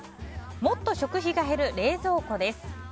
もっと食費が減る冷蔵庫です。